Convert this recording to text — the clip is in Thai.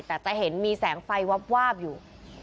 แต่จะเห็นมีแสงไฟวาบอยู่